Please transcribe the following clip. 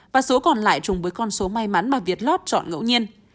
và số còn lại chung với con số may mắn mà việt lot chọn ngẫu nhiên